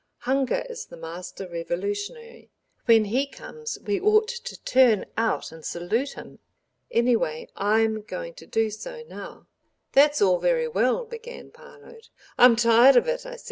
Hunger is the master revolutionary. When he comes we ought to turn out and salute him. Anyway, I'm going to do so now." "That's all very well," began Parload. "I'm tired of it," I said.